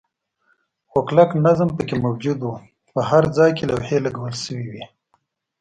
خو کلک نظم پکې موجود و، په هر ځای کې لوحې لګول شوې وې.